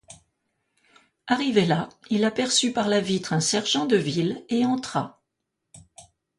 Arrivé là, il aperçut par la vitre un sergent de ville, et entra.